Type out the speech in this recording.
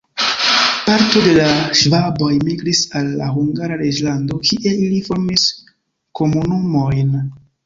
Parto de la ŝvaboj migris al la Hungara reĝlando, kie ili formis komunumojn.